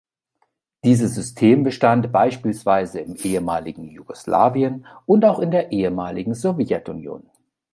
Dieses System bestand beispielsweise im ehemaligen Jugoslawien und auch in der ehemaligen Sowjetunion.